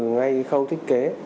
ngay khâu thiết kế